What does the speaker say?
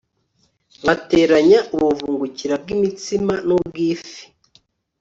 bateranya ubuvungukira bw imitsima n ubw ifi